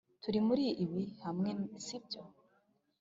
turi muri ibi hamwe, sibyo?